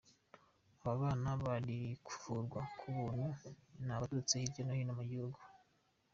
Aba bana bari kuvurwa ku buntu ni abaturutse hirya no hino mu gihugu.